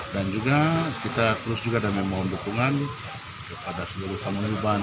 dan juga kita terus juga dan memohon dukungan kepada seluruh pemerintah